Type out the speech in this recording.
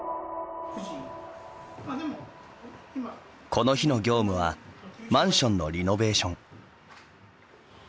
この日の業務はマンションのリノベーション。